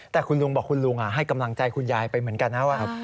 แต่คุณลุงบอกคุณลุงให้กำลังใจคุณยายไปเหมือนกันนะว่า